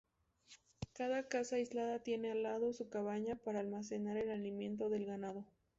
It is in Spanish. Cada casa aislada tiene al lado su cabaña para almacenar el alimento del ganado.